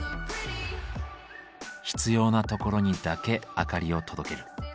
必要なところにだけ明かりを届ける。